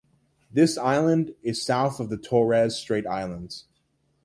This island is south of the Torres Strait Islands.